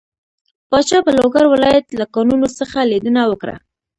پاچا په لوګر ولايت له کانونو څخه ليدنه وکړه.